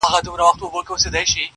• نو ګوربت ایله آګاه په دې اسرار سو -